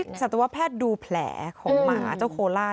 คือต้องให้สัตวแพทย์ดูแผลของหมาเจ้าโคล่า